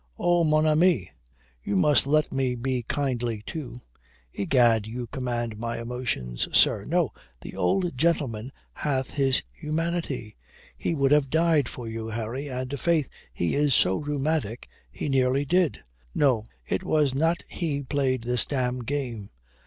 "Oh, mon ami, you must let me be kindly too. Egad, you command my emotions, sir. No, the old gentleman hath his humanity. He would have died for you, Harry, and faith he is so rheumatic he nearly did. No, it was not he played this damned game.